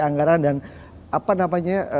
anggaran dan apa namanya